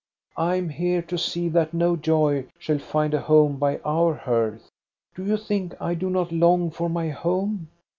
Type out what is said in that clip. I am here to see that no joy shall find a home by our hearth. Do you think I do not long for my home?